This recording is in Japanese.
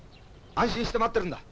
安心して待ってるんだ。